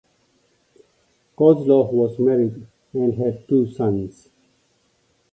Kozlov was married and had two sons.